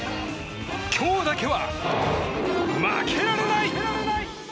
今日だけは負けられない！